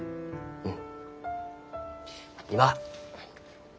うん。